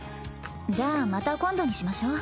じゃあまた今度にしましょ。